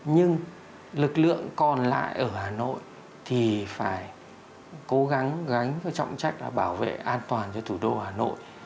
nhưng lực lượng còn lại ở hà nội thì phải cố gắng gánh trọng trách là bảo vệ an toàn cho thủ đô hà nội